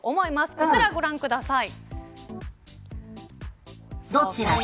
こちらご覧ください。